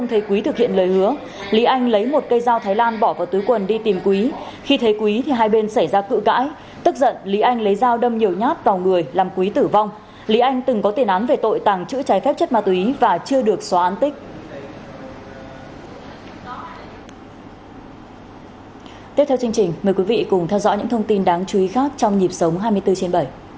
tiếp theo chương trình mời quý vị cùng theo dõi những thông tin đáng chú ý khác trong nhịp sống hai mươi bốn trên bảy